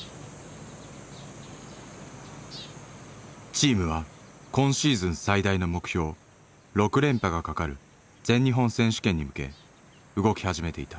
チームは今シーズン最大の目標６連覇がかかる全日本選手権に向け動き始めていた。